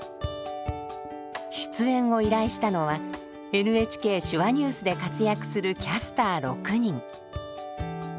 出演を依頼したのは「ＮＨＫ手話ニュース」で活躍するキャスター６人。